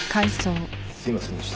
すいませんでした。